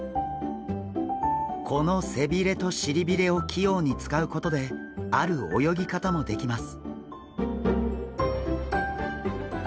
この背びれとしりびれを器用に使うことである泳ぎ方もできます。